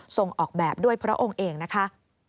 ส่งออกแบบด้วยพระองค์เองนะคะ